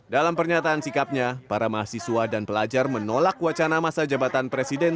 dalam pernyataan sikapnya para mahasiswa dan pelajar menolak wacana masa jabatan presiden